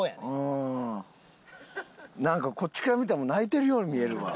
なんかこっちから見たら泣いてるように見えるわ。